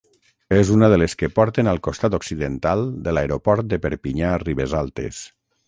És una de les que porten al costat occidental de l'Aeroport de Perpinyà-Ribesaltes.